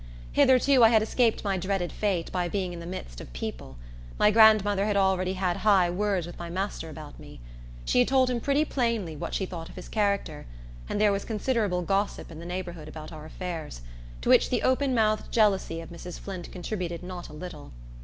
Hitherto, I had escaped my dreaded fate, by being in the midst of people. My grandmother had already had high words with my master about me. She had told him pretty plainly what she thought of his character, and there was considerable gossip in the neighborhood about our affairs, to which the open mouthed jealousy of Mrs. Flint contributed not a little.